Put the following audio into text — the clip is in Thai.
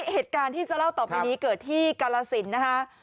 เหตุการณ์ที่จะเล่าต่อไปนี้เกิดที่กาลสินนะคะ